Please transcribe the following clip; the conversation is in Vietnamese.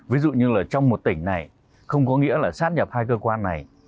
ví dụ như là trong một tỉnh này không có nghĩa là sát nhập hai cơ quan này